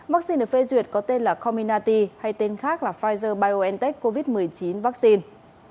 vaccine phê duyệt có tên là cominati hay tên khác là pfizer biontech covid một mươi chín vaccine